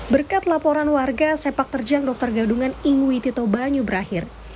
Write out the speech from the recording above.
berkat laporan warga sepak terjang dokter gadungan ingui tito banyu berakhir